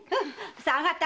さあ上がって。